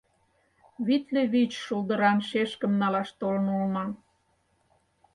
Витле вич шулдыран шешкым налаш толын улына.